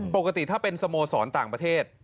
ปกติถ้าเป็นสโมสรต่างประเทศ